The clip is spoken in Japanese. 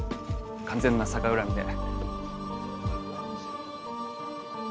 完全な逆恨みで。